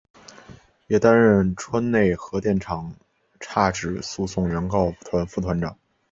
也担任川内核电厂差止诉讼原告团副团长。